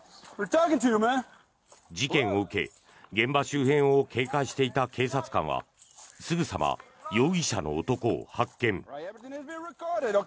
事件を受け現場周辺を警戒していた警察官はすぐさま容疑者の男を発見。